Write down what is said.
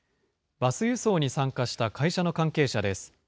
バス輸送に参加した会社の関係者です。